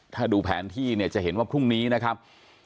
ถ้าดูแผนที่เนี่ยจะเห็นว่าพรุ่งนี้นะครับ